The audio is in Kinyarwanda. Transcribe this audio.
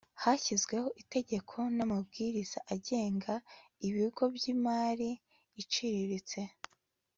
hashyizweho itegeko n'amabwiriza agenga ibigo by'imari iciriritse